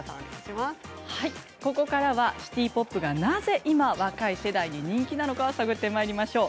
ここからはシティ・ポップがなぜ今、若い世代に人気なのか探ってまいりましょう。